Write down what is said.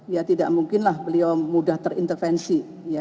ya tidak mungkinlah beliau mudah terintervensi